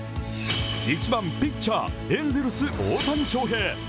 １番・ピッチャー、エンゼルス・大谷翔平。